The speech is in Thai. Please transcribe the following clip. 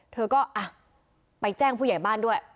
เธอก็ไปแจ้งผู้ใหญ่บ้านด้วย